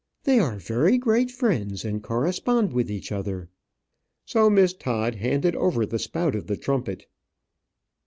"They are very great friends, and correspond with each other." So Miss Todd handed over the spout of the trumpet.